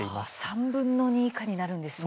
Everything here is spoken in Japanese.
３分の２以下になるんですね。